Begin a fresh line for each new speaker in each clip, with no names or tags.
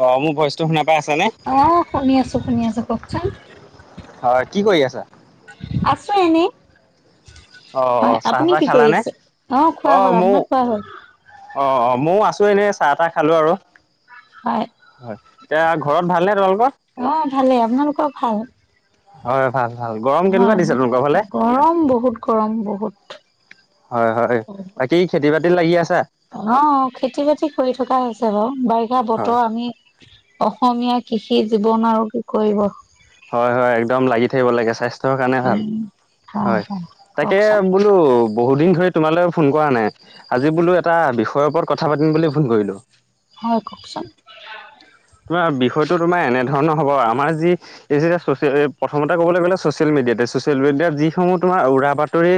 অ, মোৰ ভইচটো শুনা পাই আছা নে?
অ, শুনি আছোঁ, শুনি আছোঁ কওকচোন?
হয়, কি কৰি আছা?
আছো এনেই।
অ অ
হয়,
চাহ
আপুনি
তাহ
কি কৰি
খালানে?
আছে অ,
অ
খোৱা হল
ময়ো
আপোনাক খোৱা হল।
অ, অ, মইও আছো এনেই চাহ তাহ খালো আৰু।
হয়,
হয়, এতিয়া ঘৰত ভালনে তোমালোকৰ।
অ, ভালেই আপোনালোকৰ ভাল।
হয় ভাল ভাল গৰম
অ,
কেনেকুৱা দিছে তোমালোকৰ ফালে?
গৰম বহুত, গৰম বহুত।
হয়-হয়, বাকী খেতি বাতি লাগি আছা।
অ, খেতি বাতি কৰি থকাই আছে বাৰু বাৰিষা
হয়
বতৰ আমি অসমীয়া, কৃষি জীৱন আৰু কি কৰিব।
হয়-হয়, একদম লাগি থাকিব লাগে স্বাস্থ্যৰ কাৰণে ভাল
উম,
হয়। তাকে টো বহুত দিন ধৰি তোমালে ফোন কৰা নাই। আজি বোলো এটা বিষয়ৰ ওপৰত কথা পাতিম বুলি ফোন কৰিলো।
হয় কওকচোন?
তোমাৰ বিষয়টো তোমাৰ এনেধৰণৰ হ'ব, আমাৰ যি এই যে প্ৰথমতে ক'বলে গ'লে ছচিয়েল মিডিয়াতে ছচিয়েল মিডিয়াত যিসমূহ তোমাৰ উৰা বাতৰি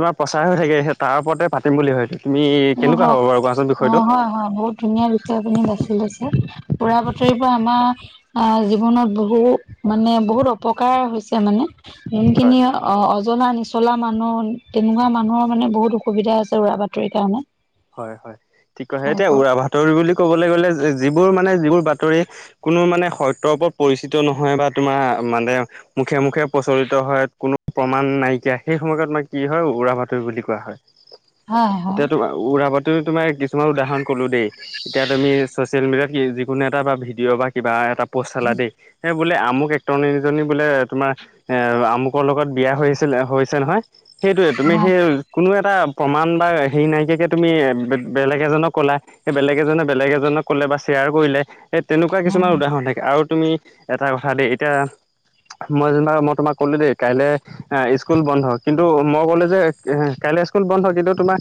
তোমাৰ প্ৰচাৰ হৈ থাকে তাৰ ওপৰতে পাতিম বুলি ভাৱিলো, তুমি কেনেকুৱা
অ',
হব বাৰু কোৱাচোন
অ
বিষয়টো
হয় হয় বহুত ধুনীয়া বিষয়ে আপুনি বাচি লৈছে। উৰা বাতৰি পৰা আমাৰ আহ জীৱনত বহু, মানে বহুত অপকাৰ হৈছে মানে
হয়।
যোনখিনি অ, নজলা নিচলা মানুহ তেনেকুৱা মানুহৰ মানে বহুত অসুবিধা হৈছে। উৰা বাতৰিৰ কাৰণে।
হয়-হয়, ঠিক কৈছে
হয়
এতিয়া
কওক
উৰা বাতৰি বুলি ক'বলে গলে যিবোৰ মানে যিবোৰ বাতৰি কোনো মানে সত্যৰ ওপৰত পৰিচিত নহয় বা তোমাৰ মানে, মুখে-মুখে, প্ৰচলিত হয় কোনো প্ৰমাণ নাইকিয়া সেই সময়তমাৰ কি হয় উৰা বাতৰি বুলি কোৱা হয।
হয় হয়
এতিয়া তোমাৰ উৰাবাতো তোমাৰ কিছুমান উদাহৰণ কলো দেই। এতিয়া তুমি চ'চিয়েল মিডিয়াত যিকোনো এটা ভিডিঅ' বা কিবা এটা প'ষ্ট চলা দেই, সেই বোলে আমুক একটৰীজনী বোলে তোমাৰ এ আমুকৰ লগত বিয়া হৈ আছিল হৈছে নহয়। সেইটোয়ে তুমি,
হয়
সেই কোনো এটা প্ৰমাণ বা হেৰি নাইকিয়াকে, তুমি বেলেগ এজনক ক'লা সেই বেলেগ এজনে, বেলেগ এজনক কলে বা শ্বেয়াৰ কৰিলে। এই তেনেকুৱা
হয়
কিছুমান উদাহৰণ থাকে আৰু তুমি এটা কথা দেই এতিয়া মই যেনিবা মই তোমাক ক'লো দেই কাইলে স্কুল বন্ধ কিন্তু মই ক'লো যে, কাইলে স্কুল বন্ধ কিন্তু তোমাৰ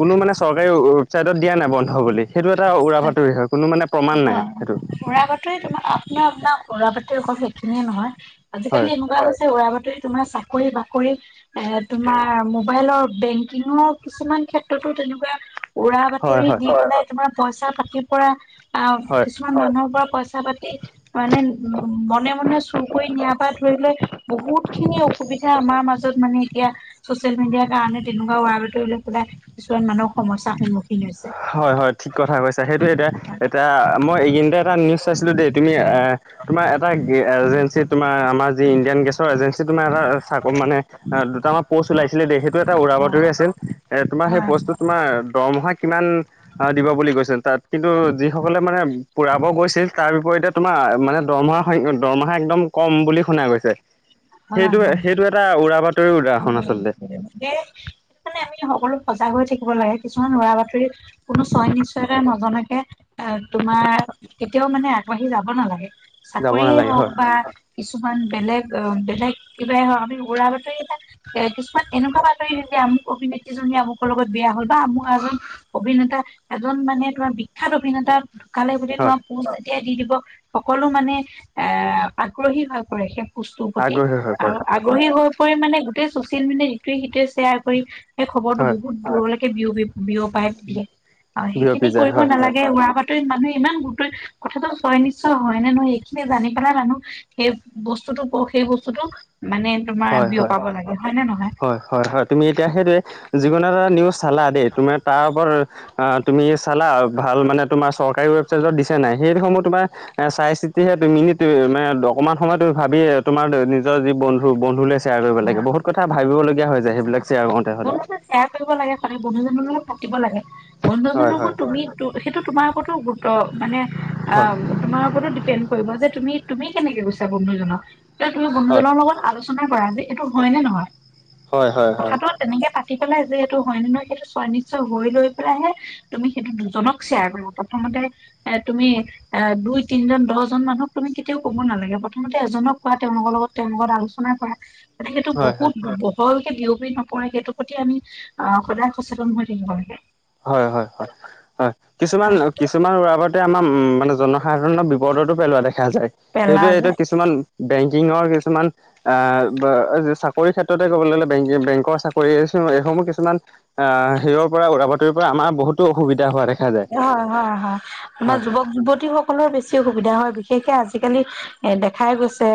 কোনো মানে চৰকাৰী ৱেবছাইটত দিয়া নাই, বন্ধ বুলি সেইটো এটা উৰা বাতৰি হয়। কোনো মানে প্ৰমাণ নাই সেইটো।
উৰা তোমাৰ আপোনাৰ আপোনাৰ উৰা বাতি অকল সেইখিনিয়ে নহয়, আজিকালি
হয়
এনেকুৱা হৈছে উৰা বাতৰি তোমাৰ চাকৰি বাকৰি এ তোমাৰ মোবাইলৰ বেংকিঙৰ কিছুমান ক্ষেত্ৰতো তেনেকুৱা, উৰা
হয়
বাতৰি
হয়
দি পেলাই তোমাৰ পইচা পাতি পৰা আহ, কিছু
হয়
কিছুমান মানুহৰ পৰা পইচা পাতি মানে উ মনে-মনে চুৰ কৰি নিয়াৰ পৰা, ধৰিলে বহুত খিনি অসুবিধা আমাৰ মাজত মানে এতিয়া চচিয়েল মিডিয়াৰ কাৰণে তেনেকুৱা উৰা বতৰিলৈ পেলাই কিছুমান মানুহক সমস্যাৰ সন্মুখীন হৈছে।
হয়-হয় ঠিক কথা কৈছা, সেইটোৱে এতিয়া এতিয়া মই এইকেইদিনতে এটা নিউজ চাইছিলোঁ দেই তুমি তোমাৰ এটা এজেঞ্চি, তোমাৰ আমাৰ যি ইণ্ডিয়ান গেছৰ এজেঞ্চি তোমাৰ এটা চাক মানে দুটামান প'ষ্ট ওলাইছিলে দ সেইটো এটা উৰা বাতৰি
হয়
আছিল। তোমাৰ সেই
হয়
প'ষ্টটো তোমাৰ দৰমহা কিমান দিব বুলি কৈছে তাত কিন্তু যিসকলে মানে পুৰাব গৈছিল তাৰ বিপৰীতে তোমাৰ মানে দৰমহাৰ সং দৰমহা একদম কম বুলি শুনা গৈছে। সেইটো
হয়
সেইটো এটা উৰা বা
সেইটো মানে আমি সকলো সজাগ হৈ থাকিব লাগে কিছুমান উৰা বাতৰিত। কোনো ছয় নিশ্চয়তা নজনাকে এ তোমাৰ কেতিয়াও মানে আগবাঢ়ি যাব নালাগে।
যাব
চাকৰিয়ে
নালাগে
হওক
হয়
বা, কিছুমান বেলেগ অ বেলেগ কিবাই হওক আমি উৰা বাতৰি থাক, এ কিছুমান এনেকুৱা বাতৰি হয় যে আমু অভিনেত্ৰী জনে আমুকৰ লগত বিয়া হল বা আমু এজন অভিনেতা এজন মানে তোমাৰ বিখ্যাত অভিনেতা ঢুকালে বুলি
হয়
তোমাৰ। যেতিয়াই দি দিব সকলো মানে এ আগ্ৰহী হৈ পৰে সেই, বস্তুৰ প্ৰতি
আগ্ৰহী হৈ
আৰু
পৰে
আগ্ৰহী হৈ পৰি মানে গোটেই চচিয়েল মিডিয়াত ইটোৱে সিটোৱে শ্বেয়াৰ কৰি। সেই খবৰটো
হয়
বহুত দূৰলৈকে বিয়প বিয়পাই দিয়ে অ
বিয়পি
সেইখিনি
যায়
কৰিব
হয় হয়
নালাগে উৰা বা মানুহে ইমান গুট কথাটো ছয় নিশ্চয় হয় নে নহয় এইইখিনি জানি পেলাই মানুহ, সেই বস্তুতটো সেই বস্তুতটো মানে তোমাৰ
হয় হয়
বিয়পাব লাগে হয় নে নহয়।
হয় হয় হয় তুমি এতিয়া সেইটোয়ে যিকোনো এটা নিউজ চালা দেই তুমাৰ তাৰ ওপৰত, তুমি চালা ভাল মানে তোমাৰ চৰকাৰী ৱেবছাইটত দিছে নাই সেইসমূহ তোমাৰ, এ চাই চিতিহে তুমি মানে অকনমান সময় তুমি ভাবিয়ে তোমাৰ নিজৰ যি বন্ধু, বন্ধুলে শ্বেয়াৰ কৰিব লাগে বহুত কথা ভাবিবলগীয়া হয় যে সেইবিলাক শ্বেয়াৰ কৰওঁতেহলে,
এয়া কৰিব লাগে কাৰন বন্ধু জনৰ লগত পাকিব লাগে বন্ধু জনৰ
হয়
লগো
হয়
তুমি সেইটো তোমাৰ ৰতো গুৰু ত মানে অ
হয়
তোমাৰ ওপৰতো ডিপেণ্ড কৰিব যে তুমি তুমি কেনেকে গৈছা বন্ধুজনক। তুমি
হয়
বন্ধুজনৰ লগত আলোচনা কৰা যে এইটো হয় নে নহয়।
হয় হয় হয়।
কথাটো তেনেকে পাতি পেলাই যে এইটো হয় নে নহয় সেইটো সোৱা নিশ্চয় হৈ লৈ পেলাইহে। তুমি সেইটো দুজনক শ্বেয়াৰ কৰো প্ৰথমতে এ তুমি এ দুই তিনজন দহজন মানুহক তুমি কেতিয়াও কব নালাগে প্ৰথমতে এজনক কোৱা তেওঁলোকৰ লগত। তেওঁৰ লগত আলোচনা কৰা গতিক সেইটো
হয় হয়
বহুত বহল, বিয়পি নপৰে সেইটোৰ প্ৰতি আমি অ সদায় সচেতন হৈ থাকিব লাগে।
হয় হয় হয় হয় কিছুমান কিছুমান ওৰা আমাৰ উম মানে জনসাধাৰণৰ বিপদতো পেলোৱা দেখা যায়
পেলা
সেইটোৱে
যে
এইটো কিছুমান। বেংকিঙৰ কিছুমান। আহ চাকৰি ক্ষেত্ৰতে ক'বলৈ গলে বেংকৰ চাকৰি এইসমূহ কিছুমান। অ, হিৰৰ পৰা উৰা বাতৰি পৰা আমাৰ বহুতো অসুবিধা হোৱা দেখে,
হয় হয় হয় তোমাৰ যুৱক যুৱতী হওক সকলৰ বেছি অসুবিধা হয় বিশেষকে আজিকালি এ দেখাই গৈছে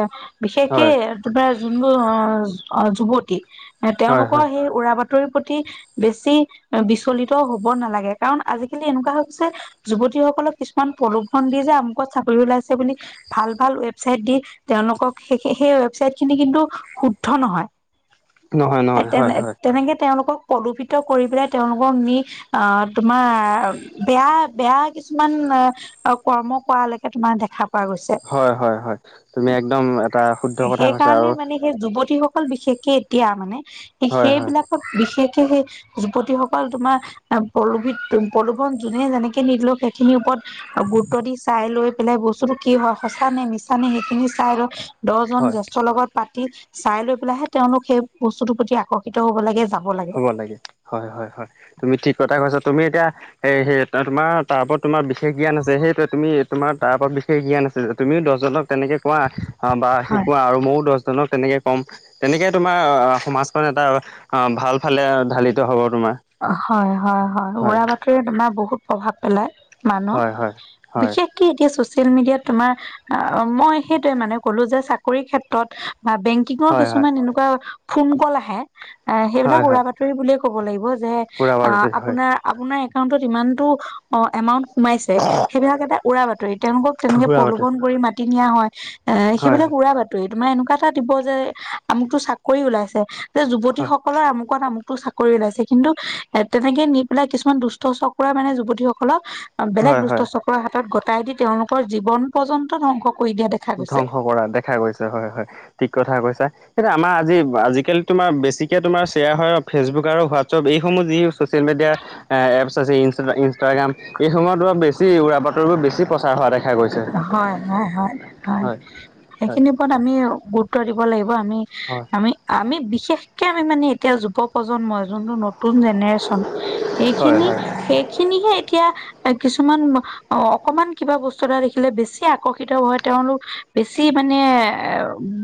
বিশেষকে
হয়
ত যোনবোৰ অ অ যুৱতী এ
হয়
তেওঁলোকৰ
হয়
সেই উৰা বাতৰিৰ প্ৰতি বেছি বিচলিত হব নালাগে কাৰণ আজিকালি এনেকুৱা হৈছে। যুৱতীসকলক কিছুমান প্ৰলোভন দি যে আমুকত চাকৰি ওলাইছে বুলি ভাল ভাল ৱেবচাইট দি তেওঁলোকক সেই সেই ৱেবচাইট খিনি কিন্তু শুদ্ধ নহয়।
নহয় নহয় হয়
তেনে
হয়
তেনেকে তেওঁলোকক প্ৰদূষিত কৰি পেলাই তেওঁলোকক নি অ তোমাৰ বেয়া বেয়া কিছুমান অ কৰ্ম কৰালৈকে তোমাৰ দেখা পোৱা গৈছে।
হয় হয় হয় তুমি একদম এটা শুদ্ধ কথা কৈছা
সেইকাৰণে
আৰু
মানে সেই যুৱতী সকল বিশেষকে এতিয়া মানে
হয় হয়
সেইবিলাক বিশেষকে সেই যুৱতীসকল তোমাৰ পল্লোভিত প্ৰলোভন যোনে যেনেকে নিদিলও সেইখিনিৰ ওপৰত গুৰুত্ব দি চাই লৈ পেলাই বস্তুতটো কি হয় সচা নে মিছা নে সেইখিনি চাই ৰ দহ জন
হয়
জ্যেষ্ঠৰ লগত পাতি চাই লৈ পেলাই হে তেওঁওলোক সেই বস্তুতৰ প্ৰতি আকৰ্ষিত হব লাগে যাব,
হ'ব লাগে হয় হয় হয় তুমি ঠিক কথা কৈছা। তুমি এতিয়া সেই সে তোমাৰ তাৰ ওপৰত তোমাৰ বিশেষ জ্ঞান আছে সেইটোৱে তুমি তোমাৰ তাৰ ওপৰত বিশেষ জ্ঞান আছে তুমিও দহজনক তেনেকে কোৱা অ বা
হয়
শিকোৱা আৰু ময়ো দহ তেনেকে কম তেনেকে তোমাৰ সমাজখন এটা ভাল ফালে ঢালিত হ'ব তোমাৰ।
হয় হয় হয় উৰা বাতৰিৰে তোমাৰ বহুত প্ৰভাৱ পেলায়। মানুহ
হয় হয় হয়
বিশেষকে এতিয়া চচিয়েল মিডিয়াত তোমাৰ মই সেইটোৱে মানে কলো যে চাকৰি ক্ষেত্ৰত বা বেংক কিঙৰ
হয় হয়
কিছুমান এনেকুৱা ফোন কল আহে সেইবিলাক
হয়
উৰা
হয়
বাতৰি বুলিয়ে ক'ব লাগিব যে
খুৰা
আ
বাৰুতে হয়
আপোনাৰ আপোনাৰ একাউণ্টত ইমানটো এমাউণ্ট সোমাইছে। সেইবিলাক এটা উৰা বাতৰি তেওঁলোকক তেনেকে
খুৰা বাৰুতে
প্ৰলোভন কৰি মাতি নিয়া হয় এ
হয়
সেইবিলাক
হয়
উৰা বাত- টোৱে তোমাৰ এনেকুৱা এটা দিব যে আমুকটো চাকৰি ওলাইছে যে
হয়
যুৱতীসকলৰ আমুকত আমুক চাকৰি ওলাইছে কিন্তু এ তেনেকে নি পেলাই কিছুমান দুষ্ট চক্ৰৰে মানে যুৱতীসকলক বেলেগ
হয়
দুষ্ট
হয়।
চক্ৰৰ হাতত গতাই দি তেওঁলোকৰ জীৱন পৰ্যন্ত ধ্বংস কৰি দিয়া দেখ-
ধ্বংস কৰা দেখা গৈছে হয় হয় ঠিক কথা কৈছা। সেইটা আমাৰ আজি আজিকালি তোমাৰ বেছিকৈ তোমাৰ শ্বেয়াৰ হয় আৰু ফেচবুক আৰু হোৱাটছআপ এইসমূহ যি ছ'চিয়েল মিডিয়া এ এপছ আছে ই ইনষ্টাগ্ৰাম এইসময়ত বেছি উৰা বাতৰিবোৰ বেছি প্ৰ- চাৰ হোৱা দেখা গৈছে।
হয় হয় হয়
হয়
সেইখিনিৰ ওপৰত আমি গুৰুত্ব দিব লাগিব আমি।
হয়
আমি আমি বিশেষকে আমি মানে এতিয়া যুৱ প্ৰজন্মই যোনটো নতুন জেনেৰেচন।
হয়
সেইখিনি সেইখিনিহে এতিয়া কিছুমান অকমান কিবা বস্ত- চতা দেখিলে বেছি আকৰ্ষিত হয় তেওঁলোক বেছি মানে এ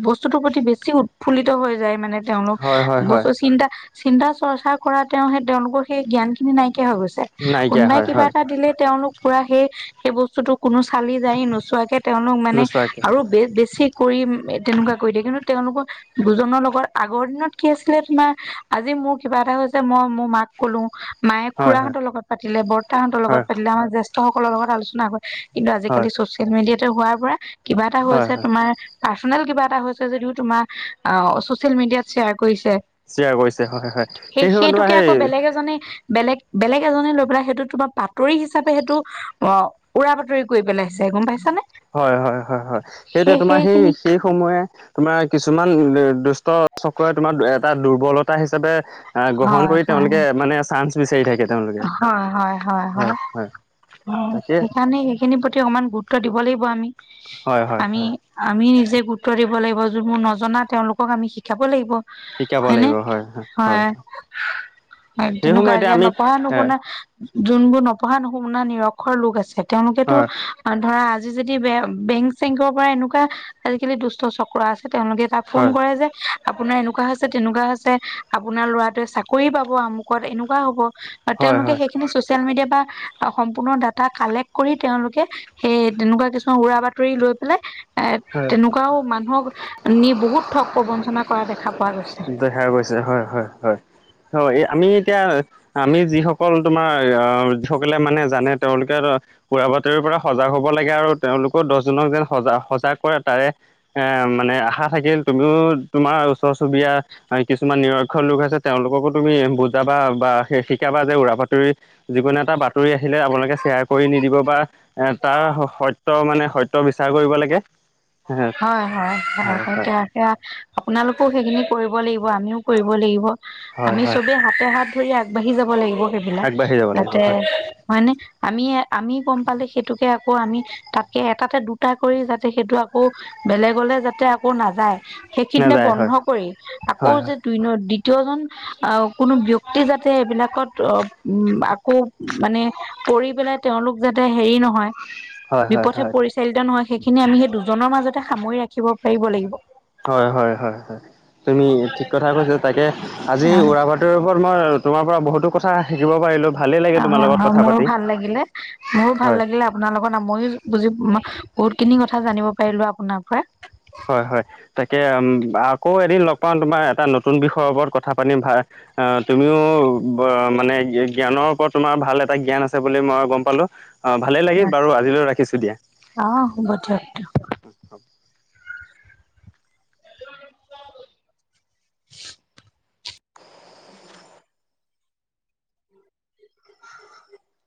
বস্তুটোৰ প্ৰতি বেছি উৎ ফুল্লিত হৈ যায় মানে তেওঁলোক
হয় হয় হয়
বছ
হয়
চিন্তা চিন্তা চৰ্চা কৰা তেওঁ সেই তেওঁলোকৰ সেই জ্ঞান খিনি নাইকিয়া হৈ গৈছে।
নাইকিয়া
কোনোবাই
হয়
কিবা
হয়
এটা দিলে তেওঁলোক পুৰা সেই সেই বস্তুতটো কোনো চালি জাৰি নোচোৱাকে তেওঁলোক মানে
নোচোৱাকে
আৰু বে বেছি। কৰি তেনেকুৱা কৰি দিয়ে কিন্তু তেওঁলোকৰ দুুজনৰ লগত আগৰ দিনত কি আছিলে তোমাৰ। আজি মোৰ কিবা এটা হৈছে মই মোৰ মাক কলো। মায়ে
হয় হয়
খুৰাহতৰ লগত পাতিলে বৰ্তাহতৰ
হয়
লগত পাতিলে আমাৰ জেষ্ঠসকলৰ লগত আলোচনা ক- কিন্তু
হয়
আজিকালি ছ'চিয়েল মিডিয়াতে হোৱাৰ পৰা কিবা এটা
হয়
হৈছে
হয়
তোমাৰ পাৰ্ছনেল কিবা এটা হৈছে যদিও তোমাৰ আহ, ছ'চিয়েল মেডিয়াত শ্বেয়াৰ কৰিছে।
শ্বেয়াৰ কৰিছে হয় হয়
সেই
সময়ত তোমাৰ
সেইটোকে আকৌ
সেই
বেলেগ এজনে বেলেগ বেলেগ এজনে লৈ পেলাই সেইটো তোমাৰ বাতৰি হিচাপে সেইটো অ, উৰা বাতৰি কৰি পেলাইছে গম পাইছানে
হয়, হয়, হয়, হয় সেইটোৱে তোমাৰ সেই শেষ সময়ে তোমাৰ কিছুমান দুষ্ট চক্ৰৰে তোমাৰ এটা দুৰ্বলতা হিচাপে আহ গ্ৰহণ
হয়
কৰি
হয়
তেওঁলোকে মানে চান্স বিচাৰি থাকে তেওঁলোক
হয়, হয়, হয়, হয়,
তাকে
সেইকাৰণে সে- সেইখিনিৰ প্ৰতি অকমান গুৰুত্ব দিব লাগিব আমি।
হয় হয়
আমি
হয়
আমি নিজে গুৰুত্ব দিব লাগিব যোন মোৰ নজনা তেওঁলোকক আমি শিকাব লাগিব।
শিকাব
হয়নে
লাগিব হয়, হয়, হয়, হয়, সেই
তেনেকুৱা
সময়তে
এতিয়া
আমি
নপঢ়া
এ
নুশুনা যোনবোৰ নপঢ়া নশুনা নিৰক্ষৰ লোক আছে তেওঁলোকেতো
হয়
ধৰা আজি যদি বে বেংক চেংকৰ পৰা এনেকুৱা আজিকালি দুষ্ট চক্ৰ আছে তেওঁলোকে তাপ ফোন
হয়
কৰে যে আপোনাৰ এনেকুৱা হৈছে তেনেকুৱা হৈছে। আপোনাৰ লৰাটোৱে চাকৰি পাব আমুকত এনেকুৱা হ'ব।
হয় হয়
তেওঁলোকে
হয়
সেইখিনি ছ'চিয়েল মিডিয়া বা সম্পূৰ্ণ ডাটা কালেক্ট কৰি তেওঁলোকে সেই তেনেকুৱা কিছুমান উৰা বাতৰি লৈ পেলাই।
হয়।
এ তেনেকুৱাও মানুহক নি বহুত ঠগ প্ৰবঞ্চনা কৰা দেখা পোৱা গৈছে।
দেখা গৈছে হয়, হয়, হয়, হয়, আমি এতিয়া আমি যিসকল তোমাৰ আহসকলে মানে জানে তেওঁলোকে ত উৰা বাতৰিৰ পৰা সজাগ হ'ব লাগে আৰু তেওঁলোকেও দহজনক যেন সজা সজাগ কৰে তাৰে এ মানে আশা থাকিল তুমিও তোমাৰ ওচৰ চুবুৰীয়া কিছুমান নিৰ- ক্ষ লোক আছে। তেওঁলোককো তুমি বুজাবা বা শিকাবা যে উৰা বাতৰি যিকোনো এটা বাতৰি আহিলে আপোনালোকে শ্বেয়াৰ কৰি নিদিব বা এ তাৰ সত্য মানে সত্য বিচাৰ কৰিব লাগে। হয় হয়
হয়-হয়-হয়-হয় দিয়া। সেয়া আপোনালোকো সেইখিনি কৰিব লাগিব আমিও কৰিব লাগিব
হয়
আমি
হয়
চবে হাতে হাত ধৰি আগবাঢ়ি যাব লাগিব সেইবিলাক
আগবাঢ়ি যাব লাগিব
যাতে
হয়
হয়নে আমিয়ে আমি গম পালে সেইটোকে আকৌ আমি তাতকে এটাতে দুটা কৰি যাতে সেইটো আক আকৌ বেলেগ'লে যাতে আকৌ নাযায় সেইখিনিতে
নাযায়
বন্ধ
হয়
কৰি আকৌ
হয়
যে দুই ন ' দ্বিতীয়জন আহ কোনো ব্যক্তি যাতে এইবিলাকত অ, উম, আ খুব মানে পৰি পেলাই তেওঁলোক যাতে হেৰি নহয়
হয় হয়
বিপথে
হয়
পৰিচালিত নহয় সেইখিনি আমি সেই দুজনৰ মাজতে সামৰি ৰাখিব পাৰিব লাগিব।
হয়-হয়-হয়-হয় তুমি ঠিক কথা কৈছা তাকে আজি উৰা বাত [unintelligible] মই তোমাৰ পৰা বহুতো কথা শিকিব পাৰিলোঁ।
অ, হয়- হয় মোৰো ভাল লাগিলে- মোৰো ভাল
হয়
লাগিলে আপোনাৰ লগৰনা মইয়ো বুজি [unintelligible] বহুত খিনি কথা জানিব পাৰিলোঁ আপোনাৰ পৰা।
হয়-হয় তাকে উম, আকৌ এদিন লগ পাম তোমাৰ এটা নতুন বিষয়ৰ ওপৰত কথা পাতিম ভা আহ তুমিও মানে জ্ঞানৰ ওপৰত তোমাৰ ভাল এটা জ্ঞান আছে বুলি ময়ো গম পালো। অ, ভালেই লাগিল বাৰু আজিলৈ ৰাখিছোঁ দিয়া।
অ, শুব দিয়কটো। [unintelligible]